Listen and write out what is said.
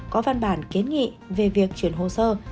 có văn bản kiến nghị về việc chuyển hồ sơ